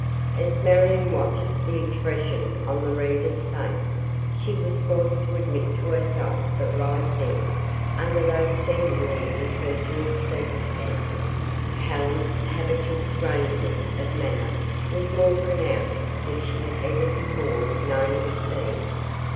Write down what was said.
As Marion watched the expression on the reader's face, she was forced to admit to herself that right then, under those seemingly impersonal circumstances, Helen's habitual strangeness of manner was more pronounced than she had ever before known it to be.